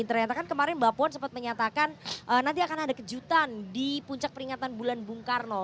ternyata kan kemarin mbak puan sempat menyatakan nanti akan ada kejutan di puncak peringatan bulan bung karno